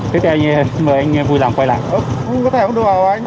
thế thì anh mời anh vui lòng quay lại